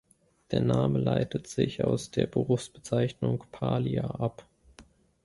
Der Name leitet sich aus der Berufsbezeichnung Parlier ab.